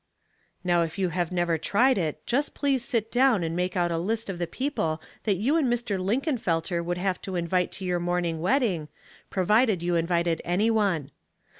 Now if you have never tried it, just please sit down and make out a list of the people that you and Mr. Linkenfelter would have to invite to your morning wedding, provided you invited 11 162 Household Puzzles, any one.